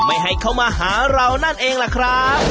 ไม่ให้เขามาหาเรานั่นเองล่ะครับ